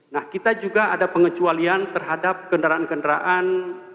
nah kita juga ada pengecualian terhadap kendaraan kendaraan